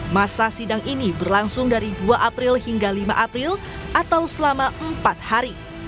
masa sidang ini berlangsung dari dua april hingga lima april atau selama empat hari